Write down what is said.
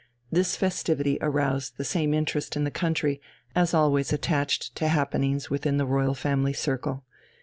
This festivity aroused the same interest in the country as always attached to happenings within the Royal Family circle.